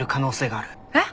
えっ？